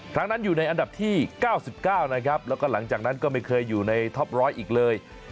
ครั้งนั้นอยู่ในอันดับที่๙๙นะครับแล้วก็หลังจากนั้นก็ไม่เคยอยู่ในท็อปร้อยอีกเลย